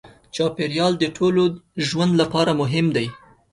چاپېریال د ټولو ژوند لپاره مهم دی.